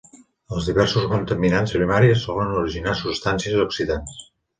Els diversos contaminants primaris solen originar substàncies oxidants.